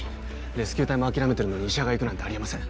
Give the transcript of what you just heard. レスキュー隊も諦めてるのに医者が行くなんてあり得ません